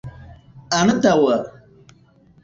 antaŭa